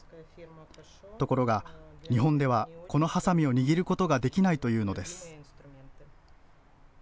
ところが、日本ではこのはさみを握ることができないというのです。